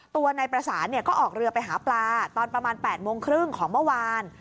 ตัวนายประสานก็ออกเรือไปหาปลาตอนประมาณ๘โมงครึ่งของเมื่อวาน